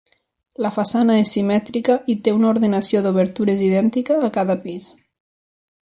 La façana és simètrica i té una ordenació d'obertures idèntica a cada pis.